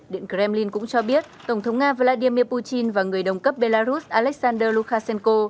điện kremlin cũng cho biết tổng thống nga vladimir putin và người đồng cấp belarus alexander lukashenko